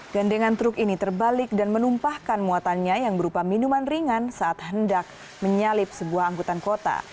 gandengan truk ini terbalik dan menumpahkan muatannya yang berupa minuman ringan saat hendak menyalip sebuah angkutan kota